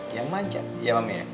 yang manjat iya mami ya